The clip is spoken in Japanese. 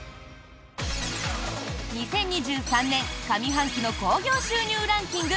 ２０２３年上半期の興行収入ランキング